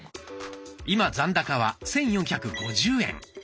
今残高は１，４５０円。